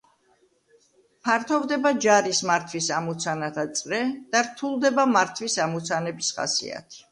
ფართოვდება ჯარის მართვის ამოცანათა წრე და რთულდება მართვის ამოცანების ხასიათი.